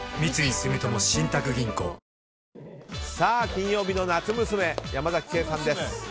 金曜日の夏娘山崎ケイさんです！